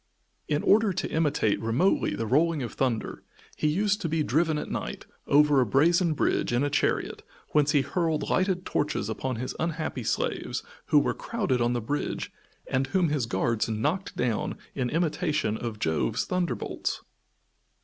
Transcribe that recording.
In order to imitate remotely the rolling of thunder, he used to be driven at night, over a brazen bridge, in a chariot, whence he hurled lighted torches upon his unhappy slaves who were crowded on the bridge and whom his guards knocked down in imitation of Jove's thunder bolts.